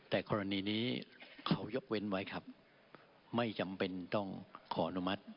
แต่กรณีนี้เขายกเว้นไว้ครับไม่จำเป็นต้องขออนุมัติ